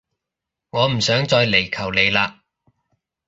我唔想再嚟求你喇